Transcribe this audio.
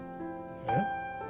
えっ？